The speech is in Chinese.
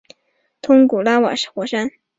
通古拉瓦火山。